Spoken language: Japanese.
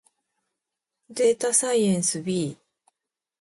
データサイエンス B